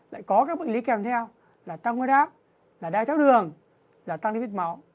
lại có các bệnh lý kèm theo là tăng nguy đáp đai theo đường tăng lipid máu